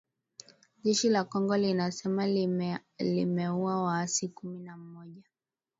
Jeshi la Kongo linasema limeua waasi kumi na mmoja